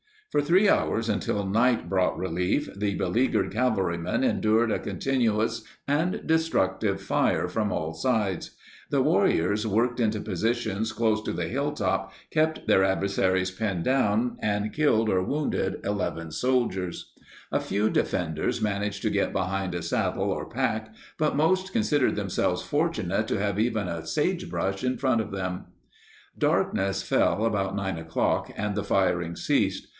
For three hours, until night brought relief, the beleagured cavalrymen endured a continuous and destructive fire from all sides. The warriors worked into positions close to the hilltop, kept their adversaries pinned down, and killed or wounded 11 soldiers. A few defenders managed to get behind a saddle or pack, but most considered themselves fortunate to have even a sagebrush in front of them. Darkness fell about nine o'clock, and the firing ceased.